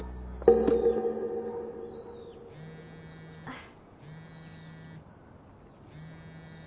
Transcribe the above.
あっ。